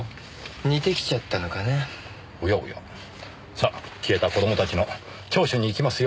さあ消えた子供たちの聴取に行きますよ。